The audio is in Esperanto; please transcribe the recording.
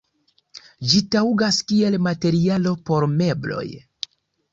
Ĝi taŭgas kiel materialo por mebloj.